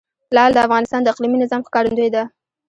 لعل د افغانستان د اقلیمي نظام ښکارندوی ده.